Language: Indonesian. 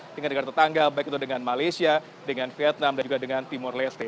dengan negara tetangga baik itu dengan malaysia dengan vietnam dan juga dengan timur leste